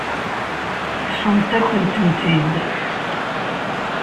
Ṭṭfent-akent-tent-id.